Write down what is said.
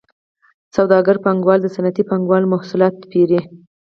سوداګر پانګوال د صنعتي پانګوالو محصولات پېري